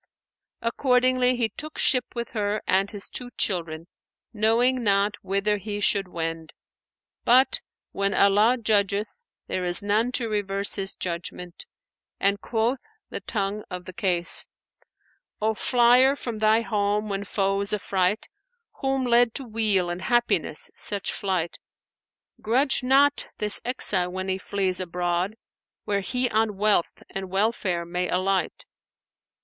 Accordingly, he took ship with her and his two children, knowing not whither he should wend; but, "When Allah judgeth, there is none to reverse His judgment;"[FN#499] and quoth the tongue of the case, "O flier from thy home when foes affright! * Whom led to weal and happiness such flight, Grudge not this exile when he flees abroad * Where he on wealth and welfare may alight.